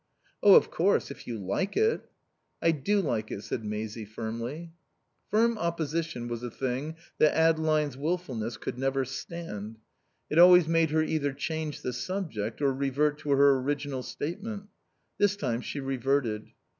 "Oh, of course, if you like it " "I do like it," said Maisie, firmly. Firm opposition was a thing that Adeline's wilfulness could never stand. It always made her either change the subject or revert to her original statement. This time she reverted.